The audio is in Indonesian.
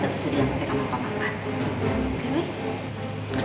seriak dengan apa apa